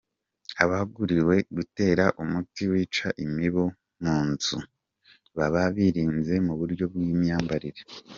Abaguriwe gutera umuti wica imibu mu nzu baba birinze mu buryo bw’imyambarire.